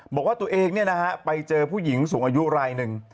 บอกว่าตัวเองไปเจอผู้หญิงสูงอายุรายหนึ่ง